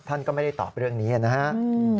ท่านก็ไม่ได้ตอบเรื่องนี้นะครับ